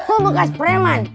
aku bekas preman